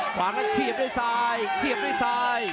ขวางนั้นเสียบด้วยซ้ายเสียบด้วยซ้าย